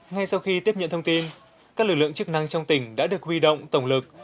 ngay sau khi tiếp nhận thông tin các lực lượng chức năng trong tỉnh đã được huy động tổng lực